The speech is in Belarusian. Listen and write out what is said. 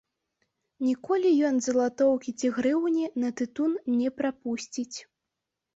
Ніколі ён залатоўкі ці грыўні на тытун не прапусціць.